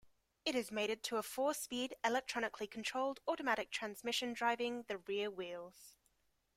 It is mated to a four-speed, electronically controlled, automatic transmission driving the rear wheels.